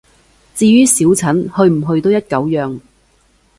至於小陳，去唔去都一狗樣